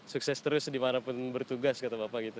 sukses terus dimanapun bertugas kata bapak gitu